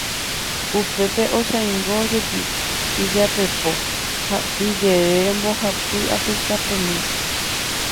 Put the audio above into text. upépe osãingójepi ijapepo ha ijerére mbohapy apykapemi.